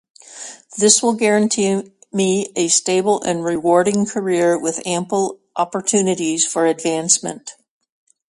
This will guarantee me a stable and rewarding career with ample opportunities for advancement.